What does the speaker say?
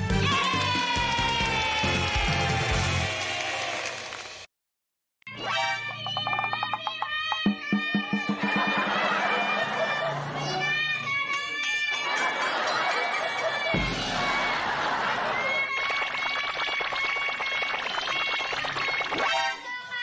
สะบัดขาวเด็ก